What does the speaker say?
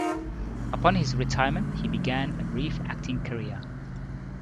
Upon his retirement he began a brief acting career.